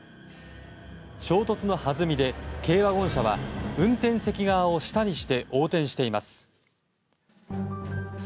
衝突のはずみで、軽ワゴン車は運転席側を下にして横転しています。